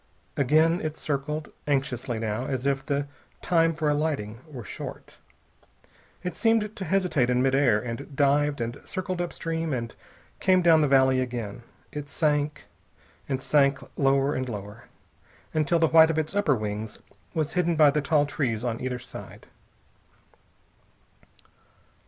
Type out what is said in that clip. Again it circled, anxiously, now, as if the time for alighting were short. It seemed to hesitate in mid air, and dived, and circled up stream and came down the valley again. It sank, and sank, lower and lower, until the white of its upper wings was hidden by the tall trees on either side.